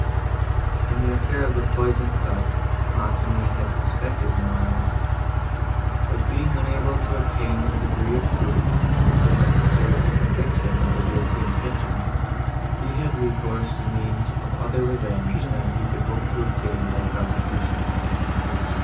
In the affair of the poisoned cup, Montoni had suspected Morano; but, being unable to obtain the degree of proof, which was necessary to convict him of a guilty intention, he had recourse to means of other revenge, than he could hope to obtain by prosecution.